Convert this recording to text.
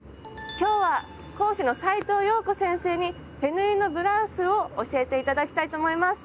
今日は講師の斉藤謠子先生に手縫いのブラウスを教えて頂きたいと思います。